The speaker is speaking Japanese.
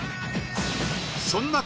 そんな